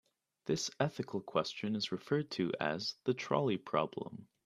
This ethical question is referred to as the trolley problem.